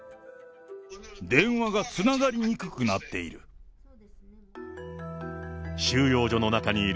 電話がつながりにくくなっている。